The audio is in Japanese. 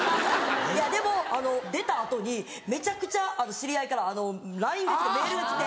いやでも出た後にめちゃくちゃ知り合いからＬＩＮＥが来てメールが来て。